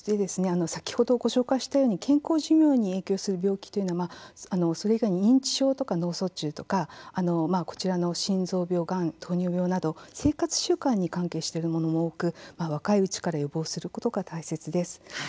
先ほどご紹介したように健康寿命に影響する病気というのは認知症、脳卒中心臓病、がん、糖尿病など生活習慣に関係しているものも多く、若いうちから予防することが大切です。